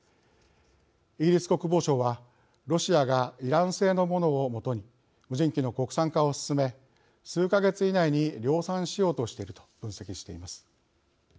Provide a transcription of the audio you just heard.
イギリス国防省はロシアがイラン製のものをもとに無人機の国産化を進め数か月以内に量産しようとしていると分析しています。